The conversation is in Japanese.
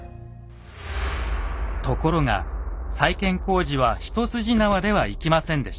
ところが再建工事は一筋縄ではいきませんでした。